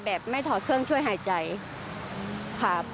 แบบไม่ถอดเครื่องช่วยหายใจค่ะ